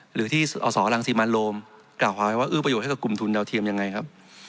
หรือที่อสรังสิมันโรมกล่าวหาไว้ว่าเอื้อประโยชน์ให้กับกลุ่มทุนดาวเทียมยังไงครับ